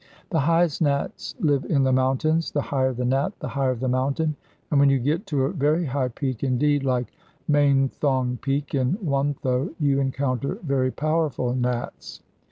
The highest Nats live in the mountains. The higher the Nat the higher the mountain; and when you get to a very high peak indeed, like Mainthong Peak in Wuntho, you encounter very powerful Nats.